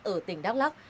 ở tỉnh đắk lắc